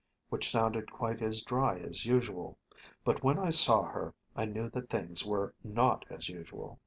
which sounded quite as dry as usual. But when I saw her I knew that things were not as usual.